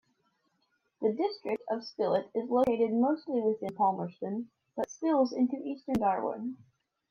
The district of Spillett is located mostly within Palmerston, but spills into eastern Darwin.